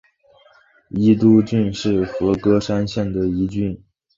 伊都郡是和歌山县的一郡。